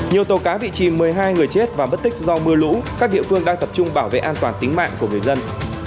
nhiều tổ cá vị trì một mươi hai người chết và bất tích do mưa lũ các địa phương đang tập trung bảo vệ an toàn tính mạng của người dân